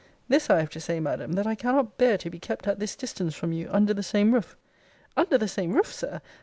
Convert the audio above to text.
'This I have to say, Madam, that I cannot bear to be kept at this distance from you under the same roof. 'Under the same roof, Sir!